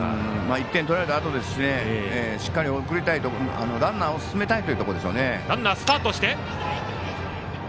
１点取られたあとですししっかりランナー進めたいところでしょう。